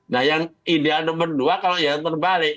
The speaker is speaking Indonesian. nah yang ideal nomor dua kalau ya terbalik